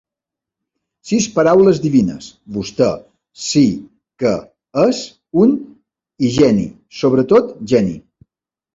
Sis paraules divines: vostè, sí, que, és, un i geni, sobretot geni.